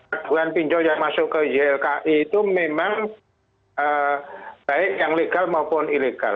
aduan pinjol yang masuk ke ylki itu memang baik yang legal maupun ilegal